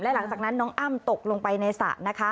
และหลังจากนั้นน้องอ้ำตกลงไปในศักดิ์นะคะ